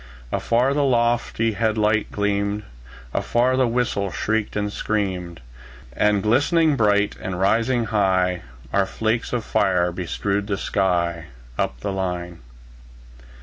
Afar the lofty head light gleamed; Afar the whistle shrieked and screamed; And glistening bright, and rising high, Our flakes of fire bestrewed the sky, Up the line.